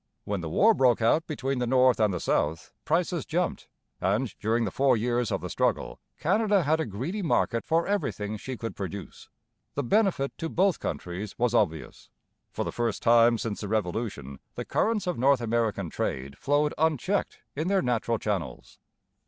When the war broke out between the North and the South, prices jumped, and, during the four years of the struggle, Canada had a greedy market for everything she could produce. The benefit to both countries was obvious. For the first time since the Revolution the currents of North American trade flowed unchecked in their natural channels.